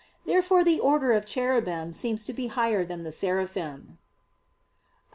Therefore the order of "Cherubim" seems to be higher than the "Seraphim." Obj.